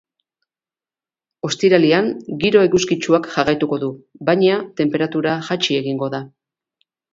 Ostiralean giro eguzkitsuak jarraituko du, baina tenperatura jaitsi egingo da.